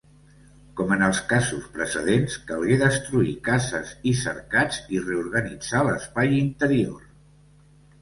Com en els casos precedents, calgué destruir cases i cercats i reorganitzar l'espai interior.